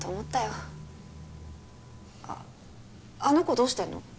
あの子どうしてんの？